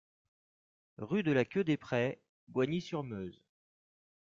Rue de la Queue des Prés, Bogny-sur-Meuse